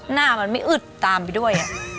หน้ามันไม่อึดตามไปด้วย